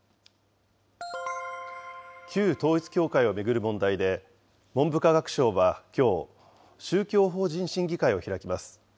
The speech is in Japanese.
旧統一教会を巡る問題で、文部科学省はきょう、宗教法人審議会を開きます。